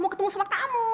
mau ketemu sama kamu